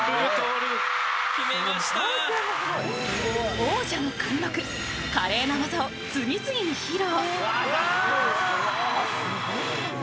王者の貫禄、華麗な技を次々に披露。